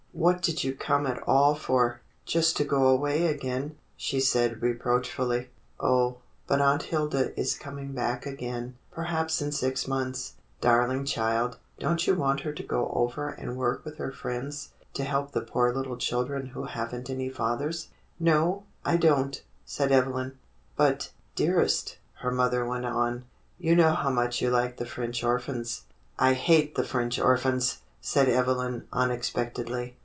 "What did you come at all for, just to go away again .^" she said reproach fully. *'0h, but Aunt Hilda is coming back again, per haps in six months. Darling child, don't you want her to go over and work with her friends to help the poor little children who haven't any fathers.^" "No, I don't," said Evelyn. "But, dearest," her mother went on, "you know how much you like the French orphans." "I hate the French orphans!" said Evelyn unex pectedly.